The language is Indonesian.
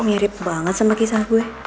mirip banget sama kisah gue